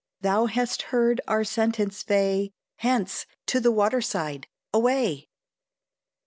Thou hast heard our sentence, Fay; Hence! to the water side, away!" X.